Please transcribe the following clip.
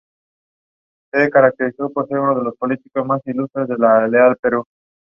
No obstante, tal petición no fue atendida por el gobierno de Azaña.